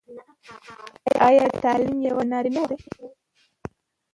ایا تعلیم یوازې د نارینه وو حق دی؟